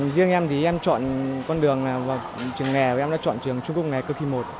riêng em thì em chọn con đường vào trường nghề và em đã chọn trường trung quốc nghề cơ khí một